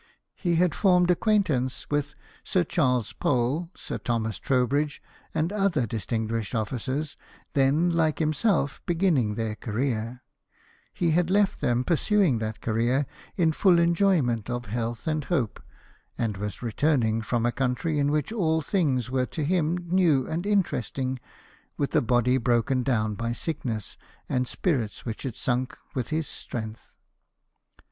He had formed acquaintance with Sir Charles Pole, Sir Thomas Trowbridge, and other distinguished officers, then, 14 LIFE OF NELSON. like himself, beginning their career : he had left them pursuing that career in full enjoyment of health and hope, and was returning from a country in which all things were to him new and interesting, with a body broken down by sickness, and spirits which had sunk with his strength.